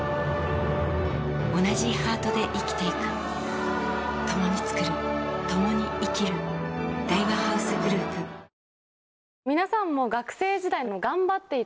おなじハートで生きていく共に創る共に生きる大和ハウスグループ皆さんも。